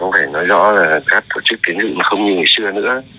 thật ra thì hiện nay không thể nói rõ là các tổ chức tiến dự không như ngày xưa nữa